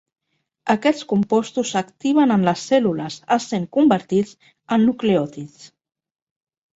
Aquests compostos s'activen en les cèl·lules essent convertits en nucleòtids.